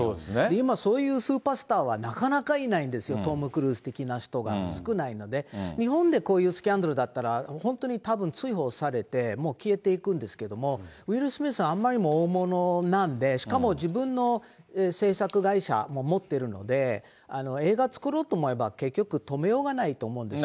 今、そういうスーパースターはなかなかいないんですよ、トム・クルーズ的な人が少ないので、日本でこういうスキャンダルだったら、本当にたぶん追放されて、もう消えていくんですけども、ウィル・スミスさんはあんまりにも大物なんで、しかも自分の製作会社も持ってるので、映画作ろうと思えば、結局止めようがないと思うんです。